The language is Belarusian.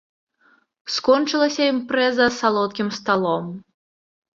Скончылася імпрэза салодкім сталом.